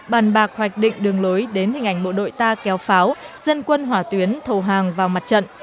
bàn bạc hoạch định đường lối đến hình ảnh bộ đội ta kéo pháo dân quân hỏa tuyến thầu hàng vào mặt trận